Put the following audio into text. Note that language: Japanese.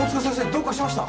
どうかしました？